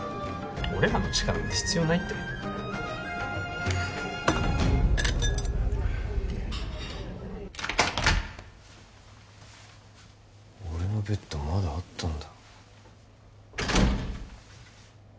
俺らの力なんて必要ないって俺のベッドまだあったんだ